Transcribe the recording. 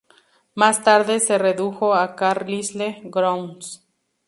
Más tarde se redujo a Carlisle Grounds.